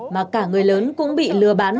mà cả người lớn cũng bị lừa bán